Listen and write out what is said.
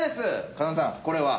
鹿野さんこれは？